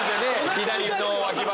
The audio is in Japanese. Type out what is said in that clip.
左の脇腹。